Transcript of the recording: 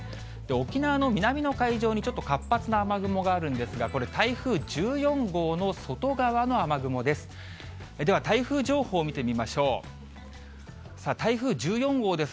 沖縄の南の海上にちょっと活発な雨雲があるんですが、これ、台風１４号の外側の雨雲です。